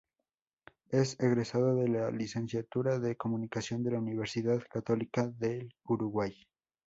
Es egresado de la Licenciatura de Comunicación de la Universidad Católica del Uruguay.